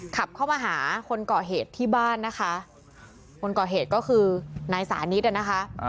ขับเข้ามาหาคนก่อเหตุที่บ้านนะคะคนก่อเหตุก็คือนายสานิทอ่ะนะคะ